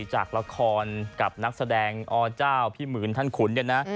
จากราคองับนักแสดงอเจ้าพี่หมื่นท่านขุน